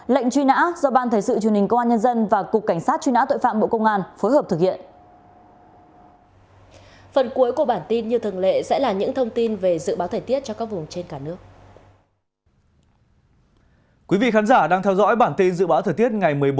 lệnh truy nã do ban thời sự truyền hình công an nhân dân và cục cảnh sát truy nã tội phạm bộ công an phối hợp thực hiện